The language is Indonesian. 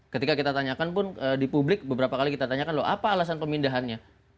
ketika kita tanyakan pun di publik beberapa kali kita tanyakan loh apa alasan pemindahannya